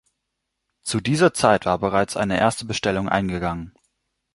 Zu dieser Zeit war bereits eine erste Bestellung eingegangen.